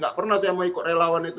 gak pernah saya mau ikut relawan itu